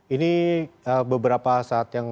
ini beberapa saat yang